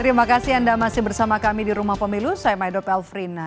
terima kasih anda masih bersama kami di rumah pemilu saya maido pelfrina